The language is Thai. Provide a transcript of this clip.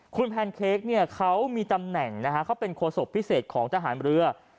คุณแพนเค้กเขามีตำแหน่งเขาเป็นโคสต์ศพพิเศษของทหารเมื้อ